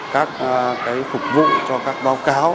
các phục vụ cho các báo cáo